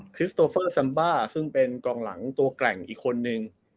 ริสโตเฟอร์ซัมบ้าซึ่งเป็นกองหลังตัวแกร่งอีกคนนึง